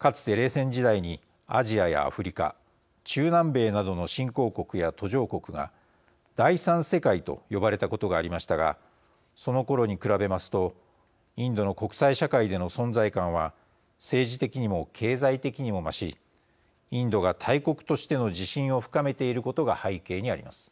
かつて、冷戦時代にアジアやアフリカ、中南米などの新興国や途上国が第三世界と呼ばれたことがありましたがそのころに比べますとインドの国際社会での存在感は政治的にも、経済的にも増しインドが大国としての自信を深めていることが背景にあります。